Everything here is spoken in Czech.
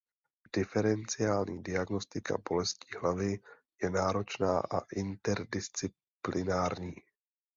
Diferenciální diagnostika bolestí hlavy je náročná a interdisciplinární.